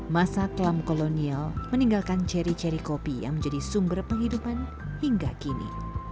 masa kelam kolonial meninggalkan ceri ceri kopi yang menjadi sumber penghidupan hingga kini